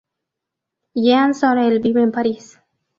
Jean Sorel vive en París.